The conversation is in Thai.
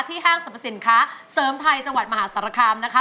ที่ห้างสรรพสินค้าเสิร์มไทยจังหวัดมหาศาลกรรมนะครับ